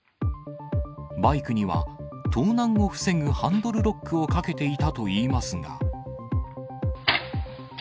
バイクには盗難を防ぐハンドルロックをかけていたといいますが。